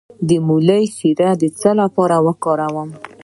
د مولی شیره د څه لپاره وکاروم؟